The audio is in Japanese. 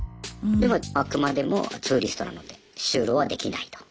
でもあくまでもツーリストなので就労はできないと。